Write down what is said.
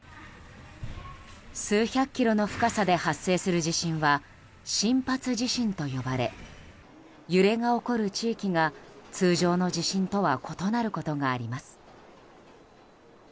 数百キロの深さで発生する地震は深発地震と呼ばれ揺れが起こる地域が通常の地震とは異なることがあります。